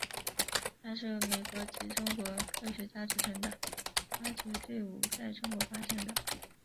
它是由美国及中国科学家组成的挖掘队伍在中国发现的。